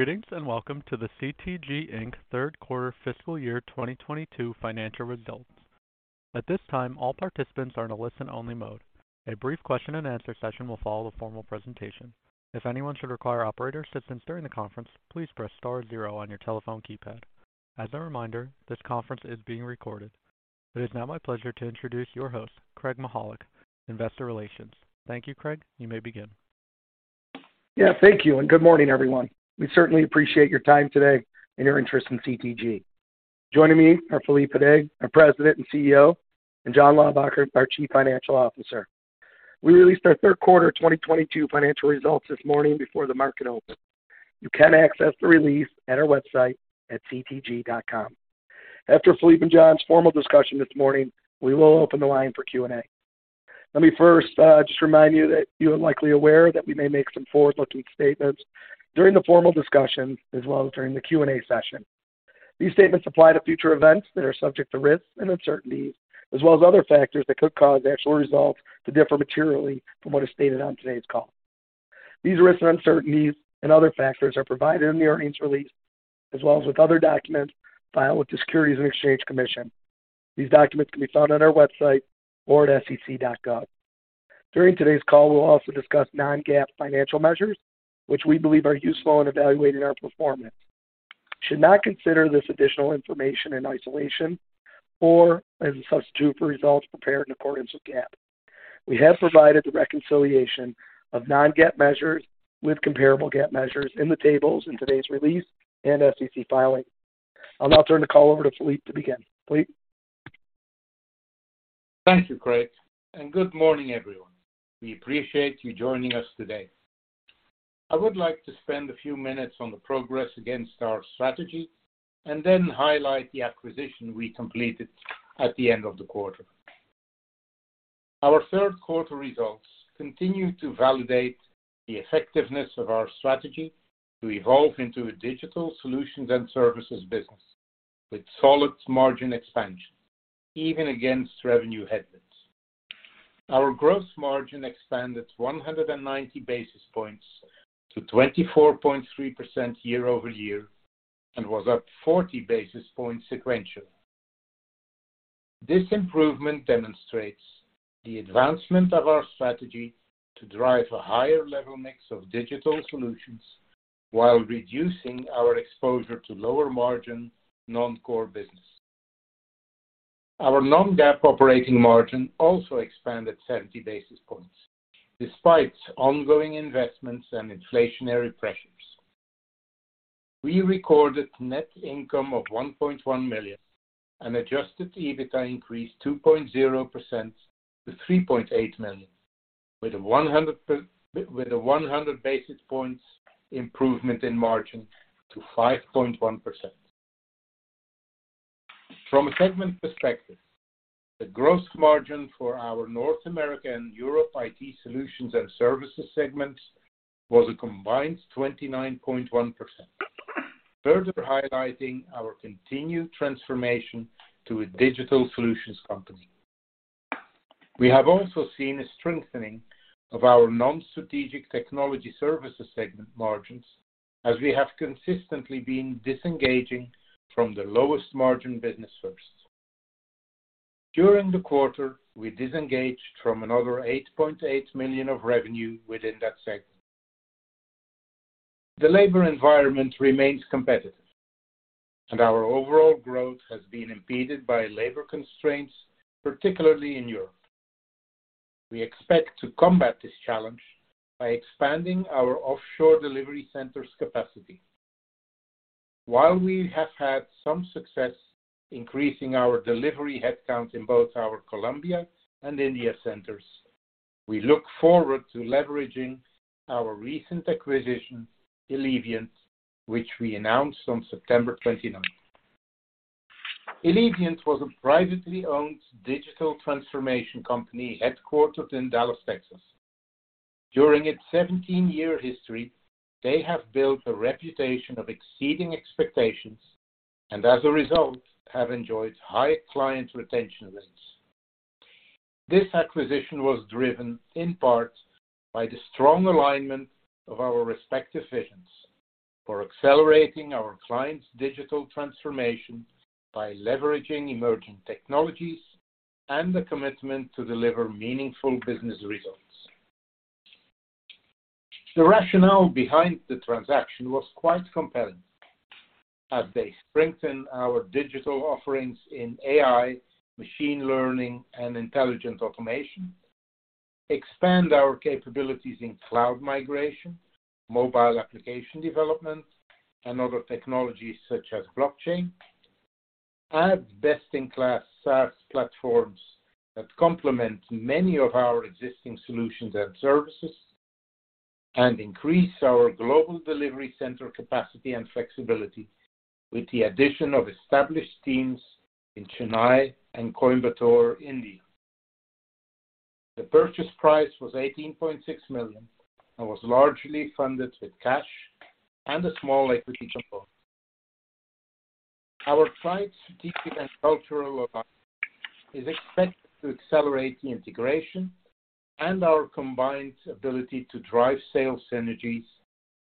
Greetings. Welcome to the CTG Inc. third quarter fiscal year 2022 financial results. At this time, all participants are in a listen-only mode. A brief question-and-answer session will follow the formal presentation. If anyone should require operator assistance during the conference, please press star zero on your telephone keypad. As a reminder, this conference is being recorded. It is now my pleasure to introduce your host, Craig Mychajluk, Investor Relations. Thank you, Craig. You may begin. Thank you. Good morning, everyone. We certainly appreciate your time today and your interest in CTG. Joining me are Filip Gydé, our President and CEO, and John Laubacker, our Chief Financial Officer. We released our third quarter 2022 financial results this morning before the market opened. You can access the release at our website at ctg.com. After Filip and John's formal discussion this morning, we will open the line for Q&A. Let me first just remind you that you are likely aware that we may make some forward-looking statements during the formal discussion, as well as during the Q&A session. These statements apply to future events that are subject to risks and uncertainties, as well as other factors that could cause actual results to differ materially from what is stated on today's call. These risks and uncertainties and other factors are provided in the earnings release, as well as with other documents filed with the Securities and Exchange Commission. These documents can be found on our website or at sec.gov. During today's call, we'll also discuss non-GAAP financial measures, which we believe are useful in evaluating our performance. You should not consider this additional information in isolation or as a substitute for results prepared in accordance with GAAP. We have provided the reconciliation of non-GAAP measures with comparable GAAP measures in the tables in today's release and SEC filing. I'll now turn the call over to Filip to begin. Filip? Thank you, Craig. Good morning, everyone. We appreciate you joining us today. I would like to spend a few minutes on the progress against our strategy and then highlight the acquisition we completed at the end of the quarter. Our third quarter results continue to validate the effectiveness of our strategy to evolve into a digital solutions and services business with solid margin expansion, even against revenue headwinds. Our gross margin expanded 190 basis points to 24.3% year-over-year and was up 40 basis points sequentially. This improvement demonstrates the advancement of our strategy to drive a higher level mix of digital solutions while reducing our exposure to lower-margin, non-core business. Our non-GAAP operating margin also expanded 70 basis points, despite ongoing investments and inflationary pressures. We recorded net income of $1.1 million and adjusted EBITDA increased 2.0% to $3.8 million, with a 100 basis points improvement in margin to 5.1%. From a segment perspective, the gross margin for our North America and Europe IT solutions and services segments was a combined 29.1%, further highlighting our continued transformation to a digital solutions company. We have also seen a strengthening of our Non-Strategic Technology Services segment margins as we have consistently been disengaging from the lowest margin business first. During the quarter, we disengaged from another $8.8 million of revenue within that segment. The labor environment remains competitive, and our overall growth has been impeded by labor constraints, particularly in Europe. We expect to combat this challenge by expanding our offshore delivery centers' capacity. While we have had some success increasing our delivery headcount in both our Colombia and India centers, we look forward to leveraging our recent acquisition, Eleviant, which we announced on September 29th. Eleviant was a privately-owned digital transformation company headquartered in Dallas, Texas. During its 17-year history, they have built a reputation of exceeding expectations and as a result, have enjoyed high client retention rates. This acquisition was driven in part by the strong alignment of our respective visions for accelerating our clients' digital transformation by leveraging emerging technologies and the commitment to deliver meaningful business results. The rationale behind the transaction was quite compelling as they strengthen our digital offerings in AI, machine learning, and intelligent automation, expand our capabilities in cloud migration, mobile application development, and other technologies such as blockchain, add best-in-class SaaS platforms that complement many of our existing solutions and services, and increase our global delivery center capacity and flexibility with the addition of established teams in Chennai and Coimbatore, India. The purchase price was $18.6 million and was largely funded with cash and a small equity component. Our tight strategic and cultural alignment is expected to accelerate the integration and our combined ability to drive sales synergies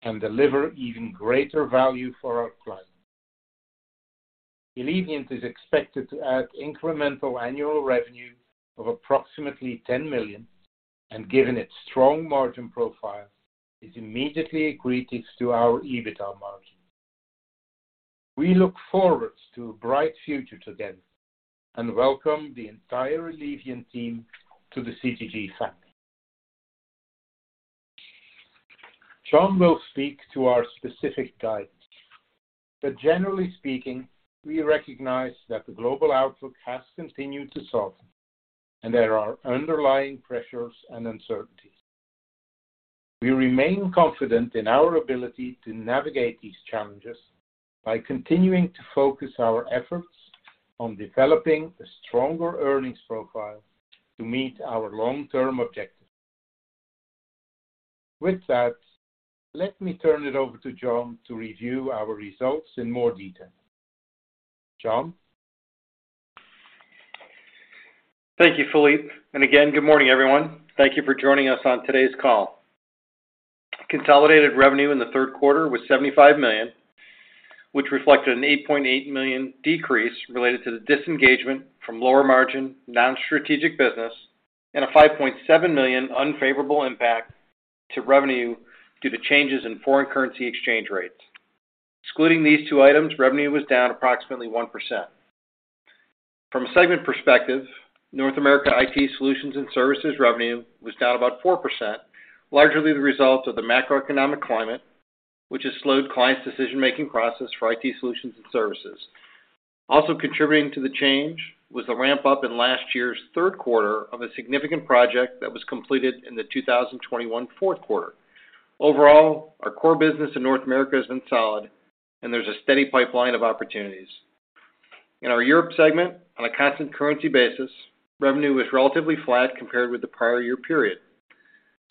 and deliver even greater value for our clients. Eleviant is expected to add incremental annual revenue of approximately $10 million, and given its strong margin profile, is immediately accretive to our EBITDA margin. We look forward to a bright future together and welcome the entire Eleviant team to the CTG family. John will speak to our specific guidance, but generally speaking, we recognize that the global outlook has continued to soften, and there are underlying pressures and uncertainties. We remain confident in our ability to navigate these challenges by continuing to focus our efforts on developing a stronger earnings profile to meet our long-term objectives. With that, let me turn it over to John to review our results in more detail. John? Thank you, Filip, and again, good morning, everyone. Thank you for joining us on today's call. Consolidated revenue in the third quarter was $75 million, which reflected an $8.8 million decrease related to the disengagement from lower-margin, non-strategic business and a $5.7 million unfavorable impact to revenue due to changes in foreign currency exchange rates. Excluding these two items, revenue was down approximately 1%. From a segment perspective, North America IT solutions and services revenue was down about 4%, largely the result of the macroeconomic climate, which has slowed clients' decision-making process for IT solutions and services. Also contributing to the change was the ramp-up in last year's third quarter of a significant project that was completed in the 2021 fourth quarter. Overall, our core business in North America has been solid, and there's a steady pipeline of opportunities. In our Europe segment, on a constant currency basis, revenue was relatively flat compared with the prior year period.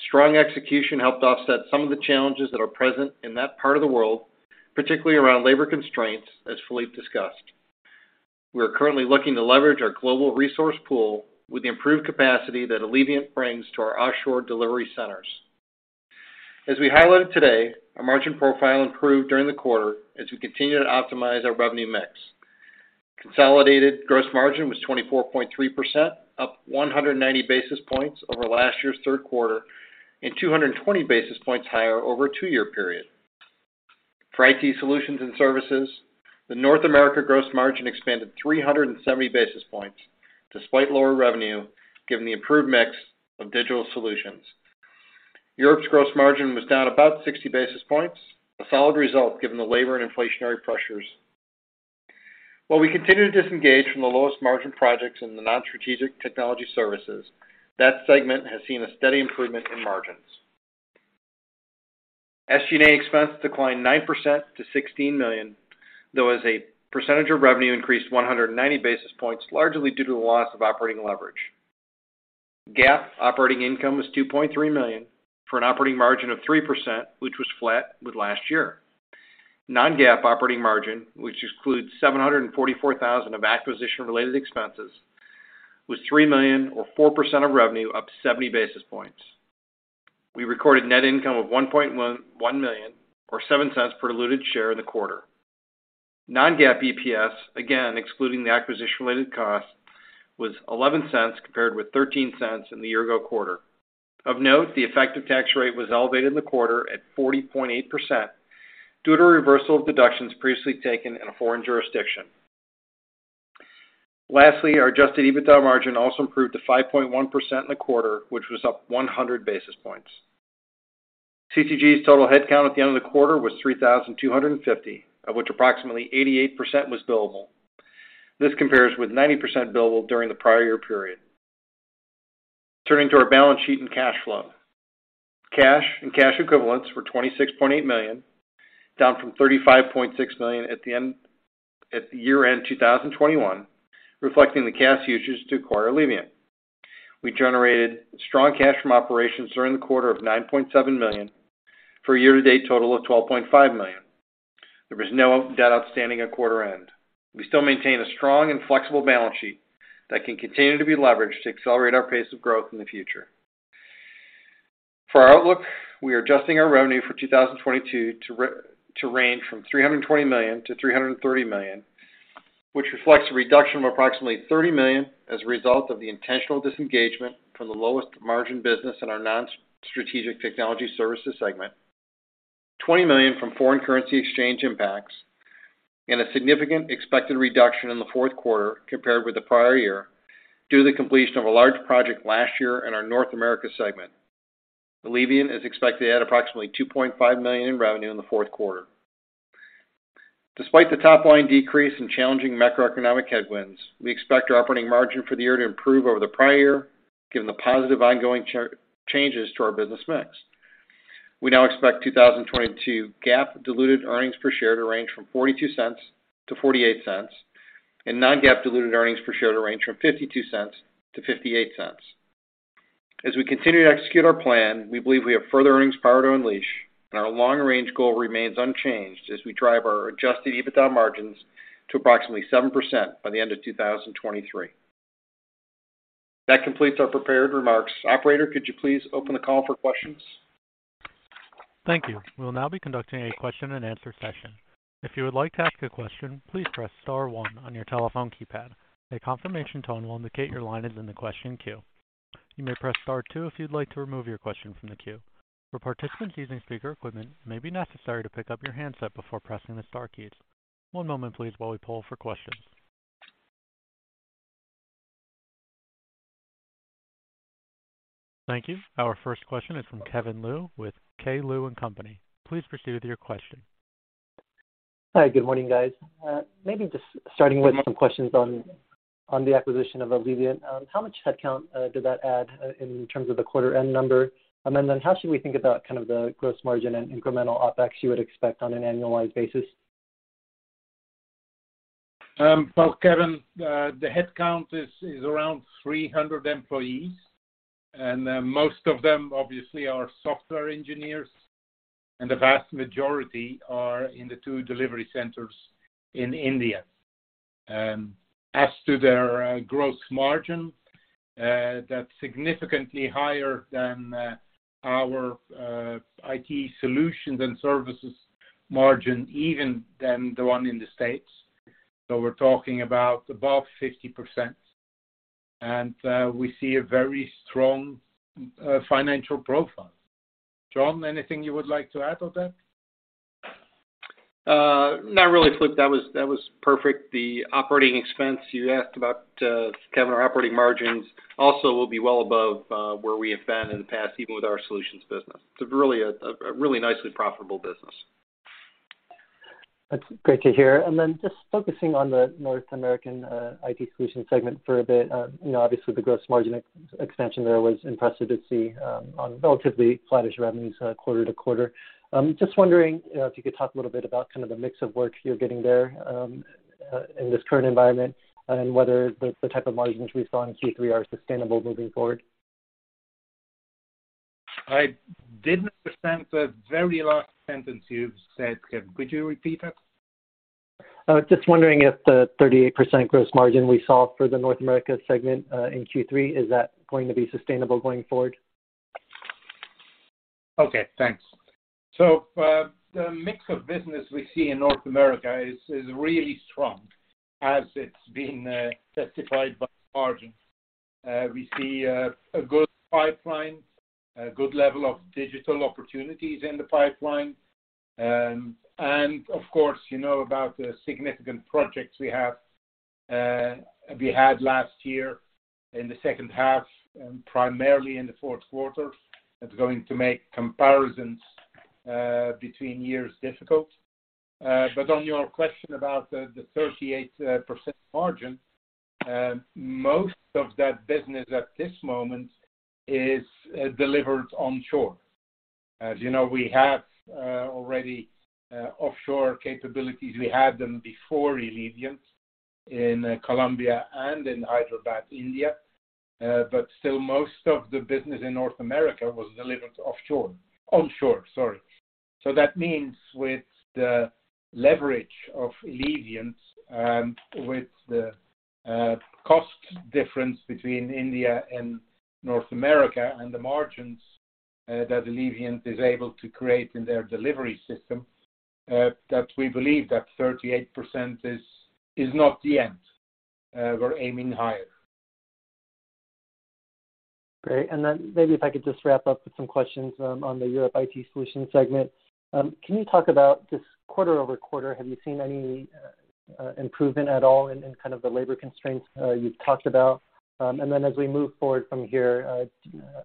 Strong execution helped offset some of the challenges that are present in that part of the world, particularly around labor constraints, as Filip discussed. We are currently looking to leverage our global resource pool with the improved capacity that Eleviant brings to our offshore delivery centers. As we highlighted today, our margin profile improved during the quarter as we continue to optimize our revenue mix. Consolidated gross margin was 24.3%, up 190 basis points over last year's third quarter and 220 basis points higher over a two-year period. For IT solutions and services, the North America gross margin expanded 370 basis points despite lower revenue, given the improved mix of digital solutions. Europe's gross margin was down about 60 basis points, a solid result given the labor and inflationary pressures. While we continue to disengage from the lowest-margin projects in the Non-Strategic Technology Services, that segment has seen a steady improvement in margins. SG&A expense declined 9% to $16 million, though as a percentage of revenue increased 190 basis points, largely due to the loss of operating leverage. GAAP operating income was $2.3 million for an operating margin of 3%, which was flat with last year. Non-GAAP operating margin, which excludes $744,000 of acquisition-related expenses, was $3 million or 4% of revenue, up 70 basis points. We recorded net income of $1.1 million or $0.07 per diluted share in the quarter. Non-GAAP EPS, again, excluding the acquisition-related cost, was $0.11 compared with $0.13 in the year-ago quarter. Of note, the effective tax rate was elevated in the quarter at 40.8% due to a reversal of deductions previously taken in a foreign jurisdiction. Lastly, our adjusted EBITDA margin also improved to 5.1% in the quarter, which was up 100 basis points. CTG's total headcount at the end of the quarter was 3,250, of which approximately 88% was billable. This compares with 90% billable during the prior year period. Turning to our balance sheet and cash flow. Cash and cash equivalents were $26.8 million, down from $35.6 million at the year-end 2021, reflecting the cash usage to acquire Eleviant. We generated strong cash from operations during the quarter of $9.7 million for a year-to-date total of $12.5 million. There was no debt outstanding at quarter-end. We still maintain a strong and flexible balance sheet that can continue to be leveraged to accelerate our pace of growth in the future. For our outlook, we are adjusting our revenue for 2022 to range from $320 million-$330 million, which reflects a reduction of approximately $30 million as a result of the intentional disengagement from the lowest margin business in our Non-Strategic Technology Services segment, $20 million from foreign currency exchange impacts, and a significant expected reduction in the fourth quarter compared with the prior year due to the completion of a large project last year in our North America segment. Eleviant is expected to add approximately $2.5 million in revenue in the fourth quarter. Despite the top-line decrease and challenging macroeconomic headwinds, we expect our operating margin for the year to improve over the prior year, given the positive ongoing changes to our business mix. We now expect 2022 GAAP diluted earnings per share to range from $0.42-$0.48, and non-GAAP diluted earnings per share to range from $0.52-$0.58. We continue to execute our plan, we believe we have further earnings power to unleash, and our long-range goal remains unchanged as we drive our adjusted EBITDA margins to approximately 7% by the end of 2023. That completes our prepared remarks. Operator, could you please open the call for questions? Thank you. We'll now be conducting a question and answer session. If you would like to ask a question, please press star one on your telephone keypad. A confirmation tone will indicate your line is in the question queue. You may press star two if you'd like to remove your question from the queue. For participants using speaker equipment, it may be necessary to pick up your handset before pressing the star keys. One moment, please, while we poll for questions. Thank you. Our first question is from Kevin Liu with K. Liu & Company. Please proceed with your question. Hi, good morning, guys. Maybe just starting with some questions on the acquisition of Eleviant. How much headcount did that add in terms of the quarter end number? How should we think about kind of the gross margin and incremental OpEx you would expect on an annualized basis? Well, Kevin, the headcount is around 300 employees, and most of them obviously are software engineers, and the vast majority are in the two delivery centers in India. As to their gross margin, that's significantly higher than our IT solutions and services margin even than the one in the U.S. We're talking about above 50%, and we see a very strong financial profile. John, anything you would like to add on that? Not really, Filip. That was perfect. The operating expense you asked about, Kevin, our operating margins also will be well above where we have been in the past, even with our solutions business. It's a really nicely profitable business. That's great to hear. Just focusing on the North American IT solutions segment for a bit. Obviously, the gross margin expansion there was impressive to see on relatively flattish revenues quarter-to-quarter. Just wondering if you could talk a little bit about kind of the mix of work you're getting there, in this current environment, and whether the type of margins we saw in Q3 are sustainable moving forward. I didn't understand the very last sentence you said, Kevin. Could you repeat it? I was just wondering if the 38% gross margin we saw for the North America segment, in Q3, is that going to be sustainable going forward? Okay, thanks. The mix of business we see in North America is really strong as it's being testified by the margin. We see a good pipeline, a good level of digital opportunities in the pipeline. Of course, you know about the significant projects we had last year in the second half and primarily in the fourth quarter. That's going to make comparisons between years difficult. On your question about the 38% margin, most of that business at this moment is delivered onshore. As you know, we have already offshore capabilities. We had them before Eleviant in Colombia and in Hyderabad, India. Still, most of the business in North America was delivered offshore. Onshore, sorry. That means with the leverage of Eleviant, with the cost difference between India and North America and the margins that Eleviant is able to create in their delivery system, that we believe that 38% is not the end. We're aiming higher. Great. Maybe if I could just wrap up with some questions on the Europe IT solutions segment. Can you talk about just quarter-over-quarter, have you seen any improvement at all in kind of the labor constraints you've talked about? As we move forward from here,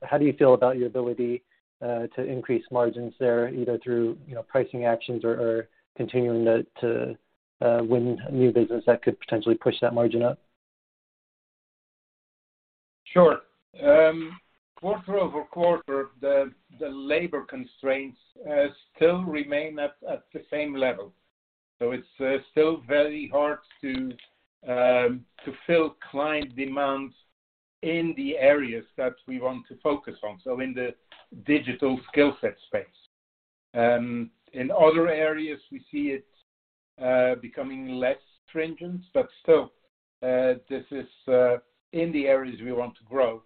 how do you feel about your ability to increase margins there, either through pricing actions or continuing to win new business that could potentially push that margin up? Sure. Quarter over quarter, the labor constraints still remain at the same level. It's still very hard to fill client demands in the areas that we want to focus on, in the digital skill set space. In other areas, we see it becoming less stringent. Still, in the areas we want to grow,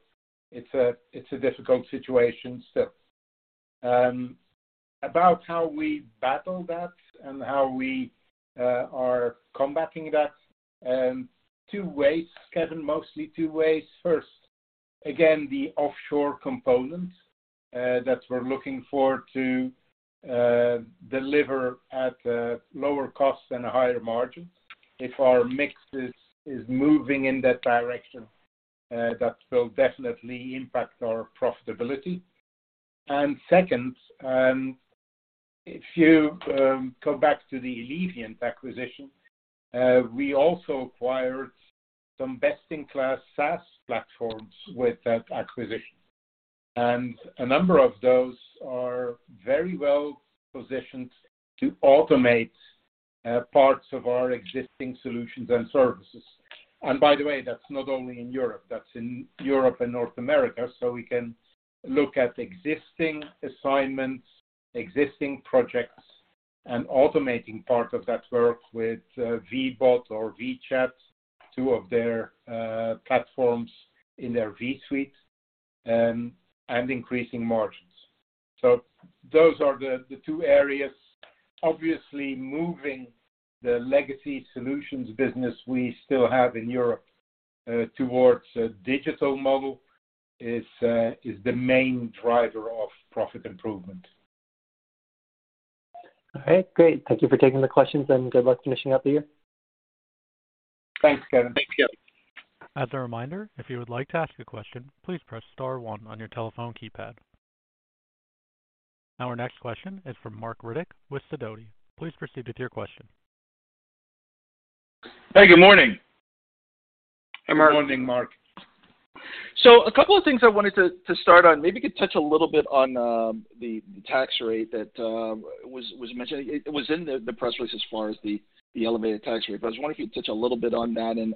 it's a difficult situation still. About how we battle that and how we are combating that, two ways, Kevin, mostly two ways. First, again, the offshore component that we're looking for to deliver at lower costs and higher margins. If our mix is moving in that direction, that will definitely impact our profitability. Second, if you go back to the Eleviant acquisition, we also acquired some best-in-class SaaS platforms with that acquisition. A number of those are very well positioned to automate parts of our existing solutions and services. By the way, that's not only in Europe, that's in Europe and North America. We can look at existing assignments, existing projects, and automating part of that work with vBot or vChat, two of their platforms in their vSuite, and increasing margins. Those are the two areas. Obviously, moving the legacy solutions business we still have in Europe towards a digital model is the main driver of profit improvement. All right, great. Thank you for taking the questions, and good luck finishing out the year. Thanks, Kevin. Thanks, Kevin. As a reminder, if you would like to ask a question, please press star one on your telephone keypad. Our next question is from Marc Riddick with Sidoti. Please proceed with your question. Hey, good morning. Hey, Marc. Good morning, Marc. A couple of things I wanted to start on, maybe you could touch a little bit on the tax rate that was mentioned. It was in the press release as far as the elevated tax rate. I was wondering if you could touch a little bit on that and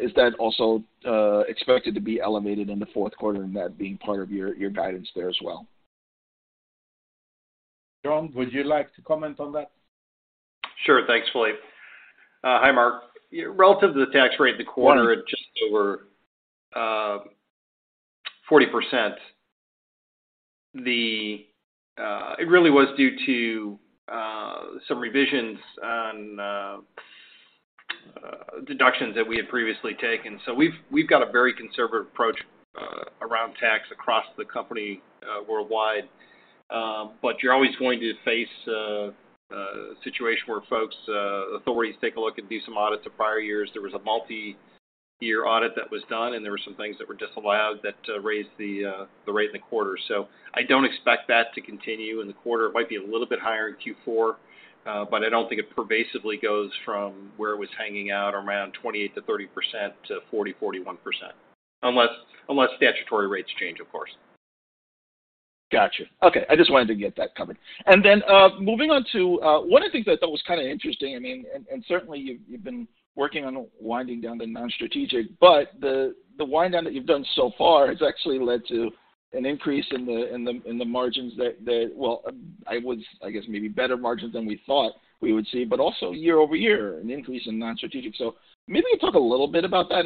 Is that also expected to be elevated in the fourth quarter and that being part of your guidance there as well? John, would you like to comment on that? Sure. Thanks, Filip. Hi, Marc. Relative to the tax rate in the quarter, it's just over 40%. It really was due to some revisions on deductions that we had previously taken. We've got a very conservative approach around tax across the company worldwide. You're always going to face a situation where folks, authorities take a look and do some audits of prior years. There was a multi-year audit that was done, and there were some things that were disallowed that raised the rate in the quarter. I don't expect that to continue in the quarter. It might be a little bit higher in Q4, but I don't think it pervasively goes from where it was hanging out around 28%-30% to 40%, 41%, unless statutory rates change, of course. I just wanted to get that covered. Moving on to one of the things I thought was interesting, and certainly, you've been working on winding down the Non-Strategic, but the wind down that you've done so far has actually led to an increase in the margins that, well, I guess maybe better margins than we thought we would see, but also year-over-year, an increase in Non-Strategic. Maybe talk a little bit about that.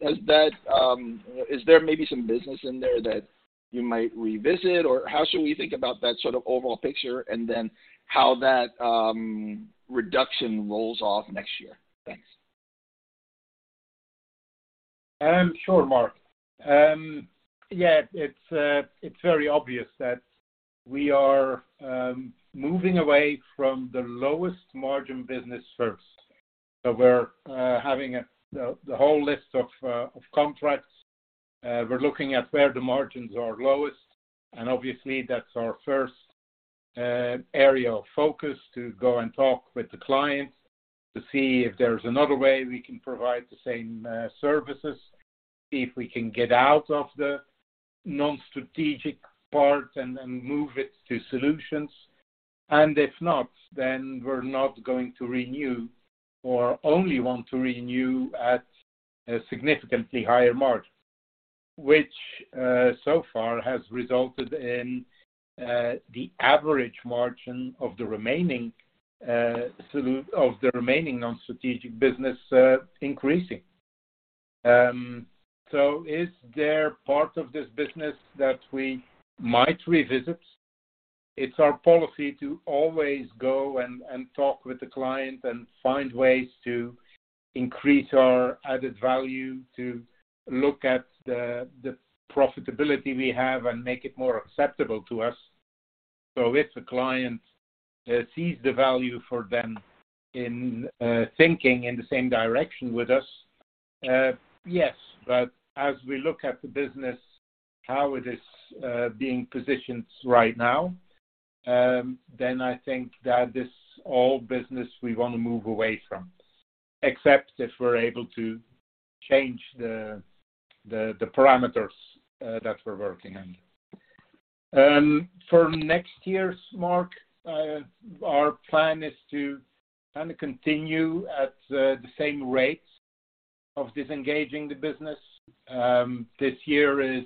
Is there maybe some business in there that you might revisit? How should we think about that sort of overall picture and then how that reduction rolls off next year? Thanks. Sure, Marc. It's very obvious that we are moving away from the lowest margin business first. We're having the whole list of contracts. We're looking at where the margins are lowest, and obviously, that's our first area of focus to go and talk with the clients to see if there's another way we can provide the same services, see if we can get out of the Non-Strategic part and move it to solutions. If not, then we're not going to renew or only want to renew at a significantly higher margin, which so far has resulted in the average margin of the remaining Non-Strategic business increasing. Is there part of this business that we might revisit? It's our policy to always go and talk with the client and find ways to increase our added value to look at the profitability we have and make it more acceptable to us. If the client sees the value for them in thinking in the same direction with us, yes. As we look at the business, how it is being positioned right now, then I think that this all business we want to move away from, except if we're able to change the parameters that we're working under. For next year's, Marc, our plan is to continue at the same rates of disengaging the business. This year is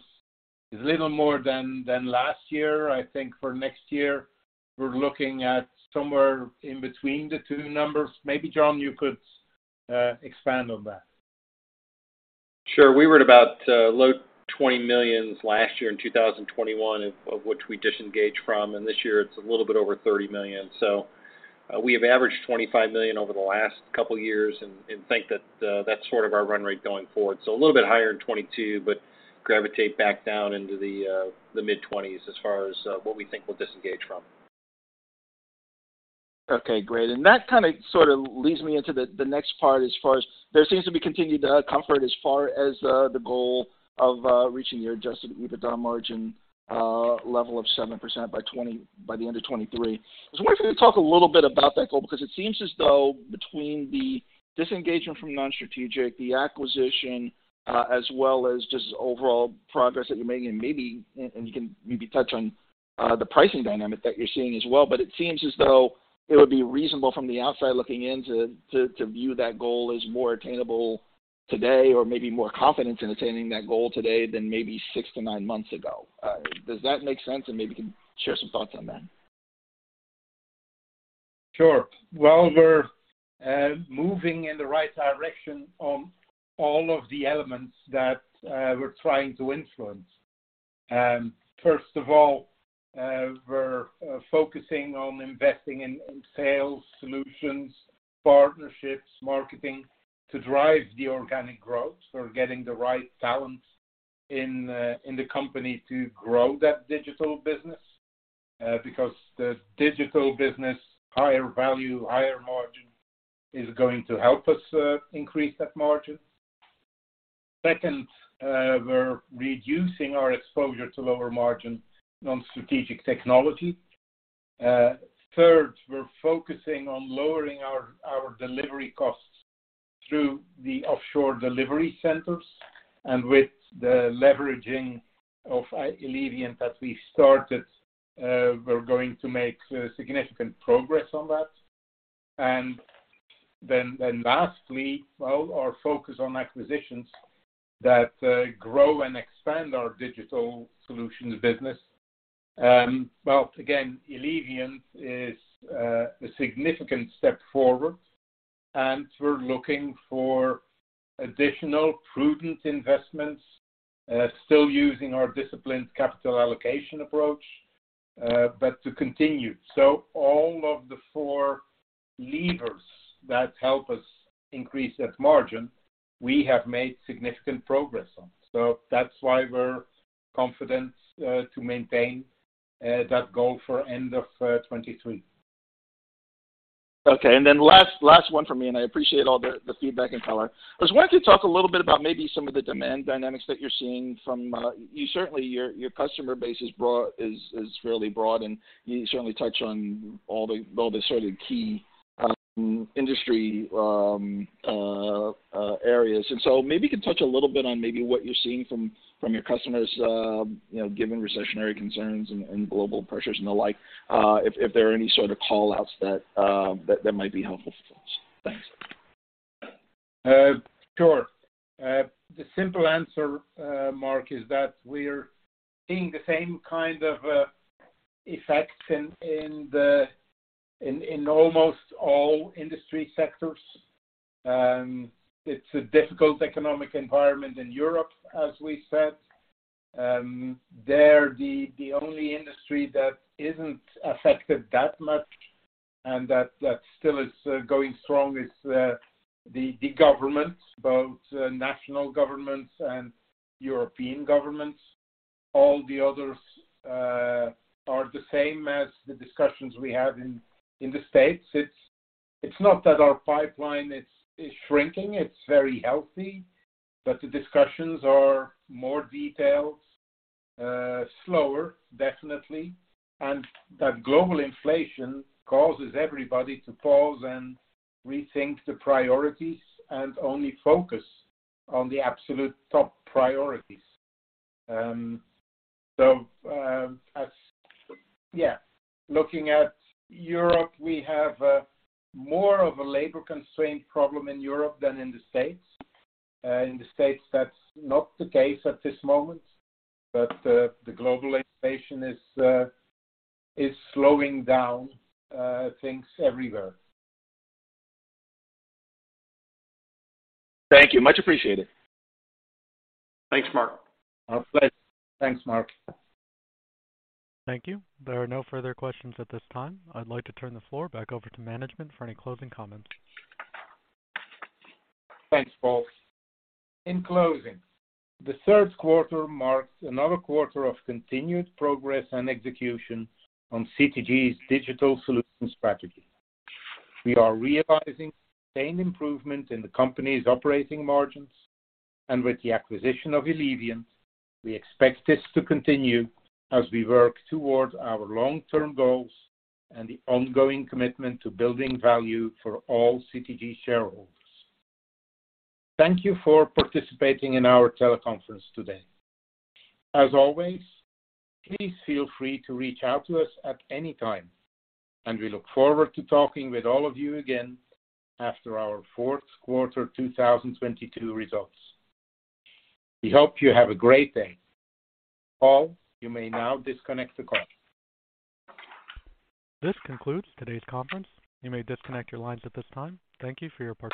a little more than last year. I think for next year, we're looking at somewhere in between the two numbers. Maybe, John, you could expand on that. Sure. We were at about low $20 million last year in 2021, of which we disengaged from, and this year it's a little bit over $30 million. We have averaged $25 million over the last couple of years and think that that's sort of our run rate going forward. A little bit higher in 2022, but gravitate back down into the mid-$20s as far as what we think we'll disengage from. Okay, great. That sort of leads me into the next part as far as there seems to be continued comfort as far as the goal of reaching your adjusted EBITDA margin level of 7% by the end of 2023. I was wondering if you could talk a little bit about that goal, because it seems as though between the disengagement from Non-Strategic, the acquisition, as well as just overall progress that you're making, you can maybe touch on the pricing dynamic that you're seeing as well. It seems as though it would be reasonable from the outside looking in to view that goal as more attainable today or maybe more confidence in attaining that goal today than maybe six to nine months ago. Does that make sense? Maybe you can share some thoughts on that. Sure. Well, we're moving in the right direction on all of the elements that we're trying to influence. First of all, we're focusing on investing in sales solutions, partnerships, marketing to drive the organic growth. We're getting the right talent in the company to grow that digital business. Because the digital business, higher value, higher margin, is going to help us increase that margin. Second, we're reducing our exposure to lower margin Non-Strategic Technology. Third, we're focusing on lowering our delivery costs through the offshore delivery centers, and with the leveraging of Eleviant that we started, we're going to make significant progress on that. Lastly, our focus on acquisitions that grow and expand our digital solutions business. Well, again, Eleviant is a significant step forward, we're looking for additional prudent investments, still using our disciplined capital allocation approach, but to continue. All of the four levers that help us increase that margin, we have made significant progress on. That's why we're confident to maintain that goal for end of 2023. Okay, last one from me, I appreciate all the feedback and color. I was wanting to talk a little bit about maybe some of the demand dynamics that you're seeing from Certainly, your customer base is fairly broad, and you certainly touch on all the sort of key industry areas. Maybe you could touch a little bit on maybe what you're seeing from your customers, given recessionary concerns and global pressures and the like, if there are any sort of call-outs that might be helpful for us. Thanks. Sure. The simple answer, Marc, is that we're seeing the same kind of effects in almost all industry sectors. It's a difficult economic environment in Europe, as we said. There, the only industry that isn't affected that much and that still is going strong is the government, both national governments and European governments. All the others are the same as the discussions we have in the U.S. It's not that our pipeline is shrinking. It's very healthy. The discussions are more detailed, slower, definitely. That global inflation causes everybody to pause and rethink the priorities and only focus on the absolute top priorities. Looking at Europe, we have more of a labor constraint problem in Europe than in the U.S. In the U.S., that's not the case at this moment. The global inflation is slowing down things everywhere. Thank you. Much appreciated. Thanks, Marc. My pleasure. Thanks, Marc. Thank you. There are no further questions at this time. I'd like to turn the floor back over to management for any closing comments. Thanks, Paul. In closing, the third quarter marks another quarter of continued progress and execution on CTG's digital solutions strategy. We are realizing sustained improvement in the company's operating margins, and with the acquisition of Eleviant, we expect this to continue as we work towards our long-term goals and the ongoing commitment to building value for all CTG shareholders. Thank you for participating in our teleconference today. As always, please feel free to reach out to us at any time, and we look forward to talking with all of you again after our fourth quarter 2022 results. We hope you have a great day. Paul, you may now disconnect the call. This concludes today's conference. You may disconnect your lines at this time. Thank you for your participation.